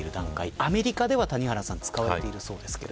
アメリカでは使われているそうです。